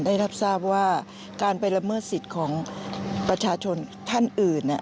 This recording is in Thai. ได้รับทราบว่าการไปละเมิดสิทธิ์ของประชาชนท่านอื่น